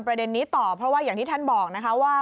ประเด็นนี้ต่อเพราะว่าอย่างที่ท่านบอกนะคะว่า